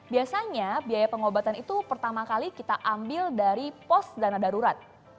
biasanya biaya pengobatan itu pertama kali kita ambil dari pos dana darurat